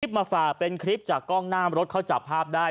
มาฝากเป็นคลิปจากกล้องหน้ารถเขาจับภาพได้